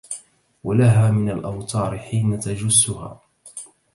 ولها من الأوتار حين تجسها